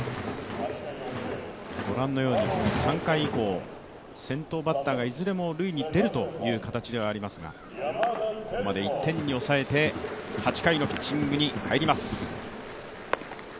御覧のように３回以降、先頭バッターが塁に出るという形ではありますが、ここまで１点に抑えて８回のピッチングに入ります。